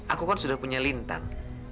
aku kan sudah punya lintang